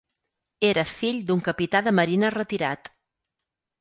Era fill d'un capità de marina retirat.